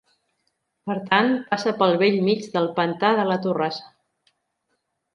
Per tant, passa pel bell mig del Pantà de la Torrassa.